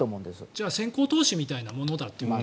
じゃあ先行投資みたいなものだと。